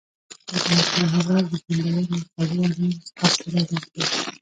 د افغانستان هېواد له خوندورو او خوږو انارو څخه پوره ډک دی.